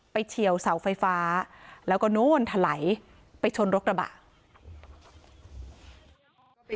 เฉียวเสาไฟฟ้าแล้วก็นู้นถลายไปชนรถกระบะ